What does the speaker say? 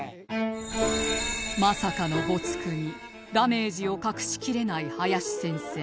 まさかの没句にダメージを隠しきれない林先生